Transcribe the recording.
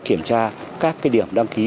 kiểm tra các điểm đăng ký